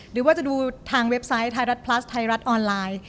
หรือว่าจะดูทางเว็บไซต์ไทยรัฐพลัสไทยรัฐออนไลน์